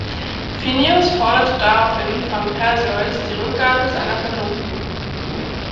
Phineus forderte daraufhin von Perseus die Rückgabe seiner Verlobten.